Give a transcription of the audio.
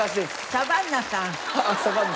サバンナさん